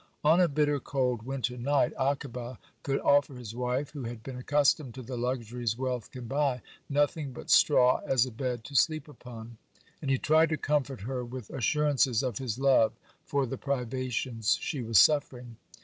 On a bitter cold winter night, Akiba could offer his wife, who had been accustomed to the luxuries wealth can buy, nothing but straw as a bed to sleep upon, and he tried to comfort her with assurances of his love for the privations she was suffering.